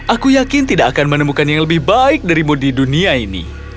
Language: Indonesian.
aku yakin tidak akan menemukan yang lebih baik darimu di dunia ini